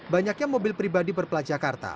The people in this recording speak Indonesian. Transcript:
banyaknya mobil pribadi berplat jakarta